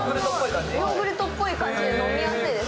ヨーグルトっぽい感じで飲みやすいです。